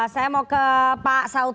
saya mau ke pak saud